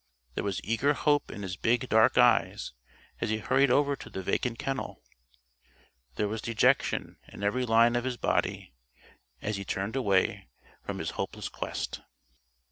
There was eager hope in his big dark eyes as he hurried over to the vacant kennel. There was dejection in every line of his body as he turned away from his hopeless quest.